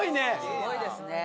すごいですね。